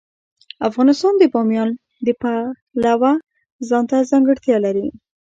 افغانستان د بامیان د پلوه ځانته ځانګړتیا لري.